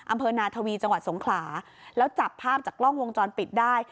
อำเภอนาทวีจังหวัดสงขลาแล้วจับภาพจากกล้องวงจรปิดได้